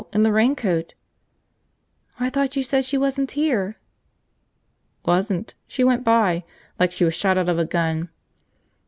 In the raincoat." "I thought you said she wasn't here!" "Wasn't. She went by. Like she was shot out of a gun."